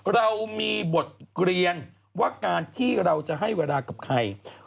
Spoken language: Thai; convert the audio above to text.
เรามีบทเรียนว่าการที่เราจะให้เวลากับใคร